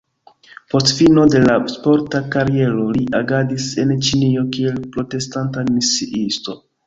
Post fino de la sporta kariero, li agadis en Ĉinio kiel protestanta misiisto.